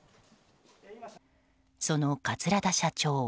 その桂田社長